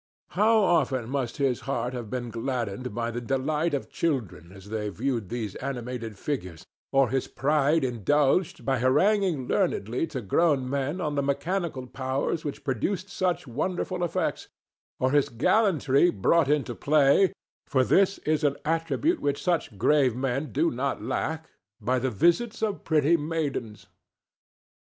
How often must his heart have been gladdened by the delight of children as they viewed these animated figures, or his pride indulged by haranguing learnedly to grown men on the mechanical powers which produced such wonderful effects, or his gallantry brought into play—for this is an attribute which such grave men do not lack—by the visits of pretty maidens!